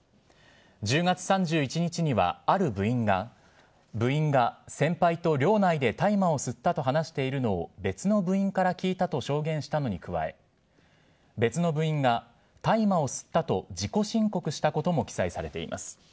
１０月３１日には、ある部員が、部員が先輩と寮内で大麻を吸ったと話しているのを別の部員から聞いたと証言したのに加え、別の部員が、大麻を吸ったと自己申告したことも記載されています。